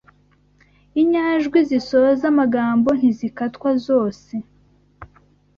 Inyajwi zisoza amagambo ntizikatwa zose